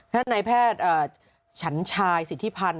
ท่านนายแพทย์ฉันชายสิทธิพันธ์